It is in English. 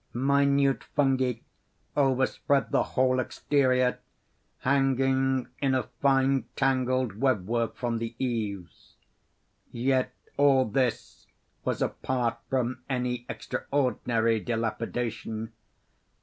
Minute fungi overspread the whole exterior, hanging in a fine tangled web work from the eaves. Yet all this was apart from any extraordinary dilapidation.